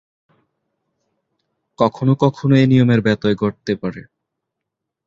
কখনো কখনো এ নিয়মের ব্যতয় ঘটতে পারে।